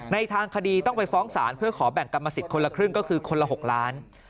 ทางคดีต้องไปฟ้องศาลเพื่อขอแบ่งกรรมสิทธิ์คนละครึ่งก็คือคนละ๖ล้าน